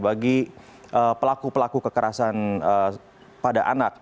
bagi pelaku pelaku kekerasan pada anak